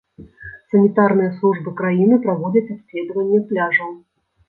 Санітарныя службы краіны праводзяць абследаванне пляжаў.